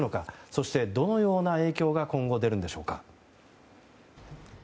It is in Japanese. そして、どのような影響が今後出るんでしょうか。